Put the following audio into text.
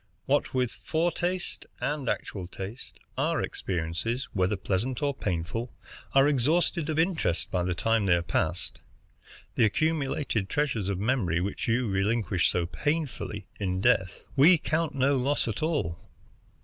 What with foretaste and actual taste, our experiences, whether pleasant or painful, are exhausted of interest by the time they are past. The accumulated treasures of memory, which you relinquish so painfully in death, we count no loss at all.